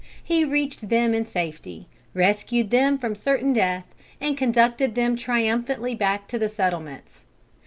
He reached them in safety, rescued them from certain death, and conducted them triumphantly back to the settlements.